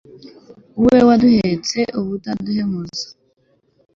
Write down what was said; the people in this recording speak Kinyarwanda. we waduhetse ubutaduhemuza